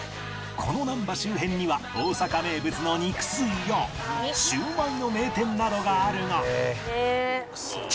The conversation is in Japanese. この難波周辺には大阪名物の肉吸いやしゅうまいの名店などがあるが